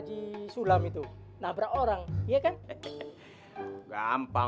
sesuatu yang dilihat luar biasa